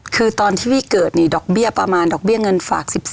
คือตอนที่พี่เกิดนี่ดอกเบี้ยประมาณดอกเบี้ยเงินฝาก๑๔